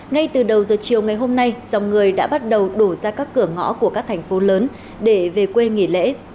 ngay từ đầu giờ chiều ngày hôm nay dòng người đã bắt đầu đổ ra các cửa ngõ của các thành phố lớn để về quê nghỉ lễ